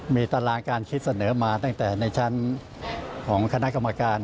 มีตารางการคิดเสนอมาตั้งแต่ในชั้นของคณะกรรมการ